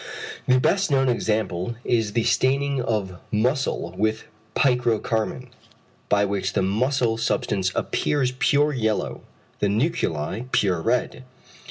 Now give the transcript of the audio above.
The best known example is the staining of muscle with picro carmine, by which the muscle substance appears pure yellow, the nuclei pure red.